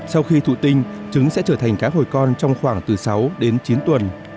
sau khi thụ tinh trứng sẽ trở thành cá hồi con trong khoảng từ sáu đến chín tuần